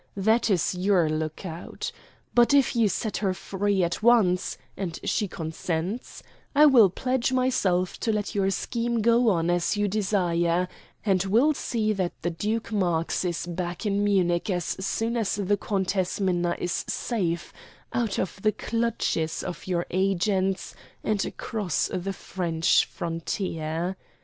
That is your lookout. But if you set her free at once, and she consents, I will pledge myself to let your scheme go on as you desire, and will see that the Duke Marx is back in Munich as soon as the Countess Minna is safe out of the clutches of your agents and across the French frontier.